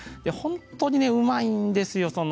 本当にうまいんですよ